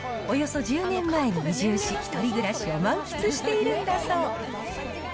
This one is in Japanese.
およそ１０年前に移住し、１人暮らしを満喫しているんだそう。